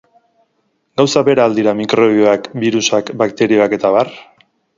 Gauza bera al dira mikrobioak, birusak, bakterioak eta abar?